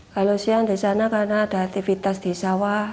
kalau siang di sana karena ada aktivitas di sawah